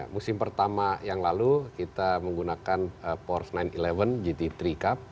musim pertama yang lalu kita menggunakan force sembilan sebelas gt tiga cup